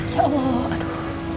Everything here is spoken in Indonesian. ya allah aduh